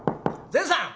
「善さん！